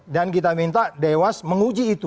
dan kita minta dewas menguji itu